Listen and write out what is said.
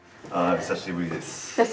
久しぶりです。